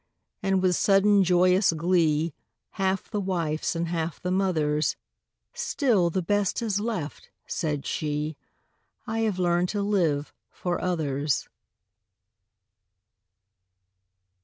And with sudden, joyous glee, Half the wife's and half the mother's, "Still the best is left," said she: "I have learned to live for others."